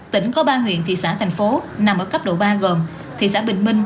tỉnh có ba huyện thị xã thành phố nằm ở cấp độ ba gồm thị xã bình minh